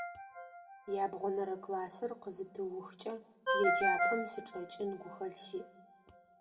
Ябгъонэрэ классыр къызытыухыкӀэ еджапӀэм сычӀэкӀын гухэлъ сиӀ.